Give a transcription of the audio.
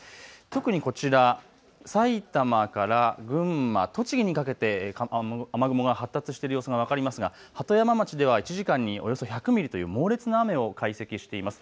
特にこちら、埼玉から群馬、栃木にかけて雨雲が発達している様子が分かりますが鳩山町では１時間におよそ１００ミリという猛烈な雨を解析しています。